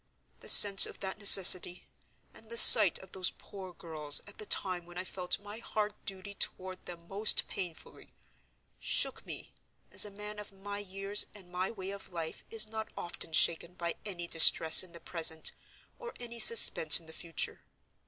The sense of that necessity—and the sight of those poor girls at the time when I felt my hard duty toward them most painfully—shook me, as a man of my years and my way of life is not often shaken by any distress in the present or any suspense in the future.